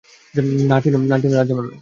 না টিনা, রাজ এমন নয়।